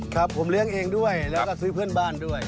ครับผมเลี้ยงเองด้วยแล้วก็ซื้อเพื่อนบ้านด้วย